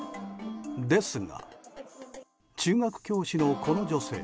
ですが、中学教師のこの女性